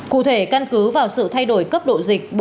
cụ thể căn cứ vào sự thay đổi cấp độ dịch